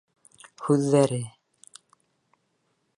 Һүҙҙәре...